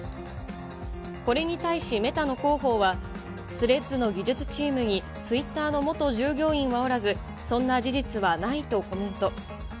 これに対しメタの広報は、スレッズの技術チームにツイッターの元従業員はおらず、そんな事実はないとコメント。